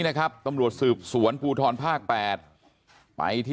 แล้วก็ยัดลงถังสีฟ้าขนาด๒๐๐ลิตร